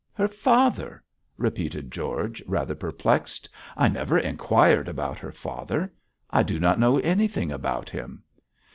'Her father!' repeated George, rather perplexed. 'I never inquired about her father; I do not know anything about him.'